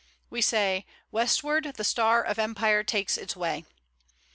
We say, "Westward, the star of empire takes its way."